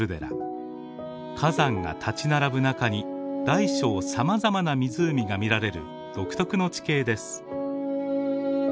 火山が立ち並ぶ中に大小さまざまな湖が見られる独特の地形です。